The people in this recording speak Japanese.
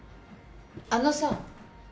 あのさ。